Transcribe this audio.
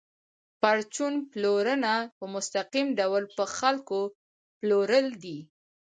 پرچون پلورنه په مستقیم ډول په خلکو پلورل دي